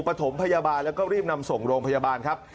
ปฐมพยาบาลและรีบนำส่งโรงพยาบาลครับ